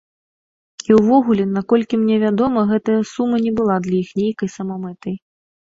І ўвогуле, наколькі мне вядома, гэтая сума не была для іх нейкай самамэтай.